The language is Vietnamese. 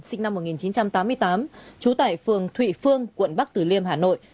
sinh năm một nghìn chín trăm tám mươi tám trú tại phường thụy phương quận bắc tử liêm hà nội